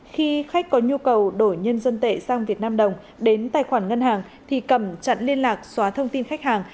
khi khách có nhu cầu đổi nhân dân tệ sang việt nam đồng đến tài khoản ngân hàng thì cẩm chặn liên lạc xóa thông tin khách hàng